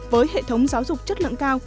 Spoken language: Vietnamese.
với hệ thống giáo dục chất lượng cao